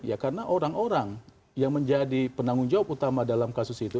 ya karena orang orang yang menjadi penanggung jawab utama dalam kasus itu